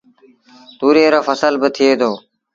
توريئي رو ڦسل با ٿئي دو۔